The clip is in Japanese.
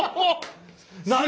何？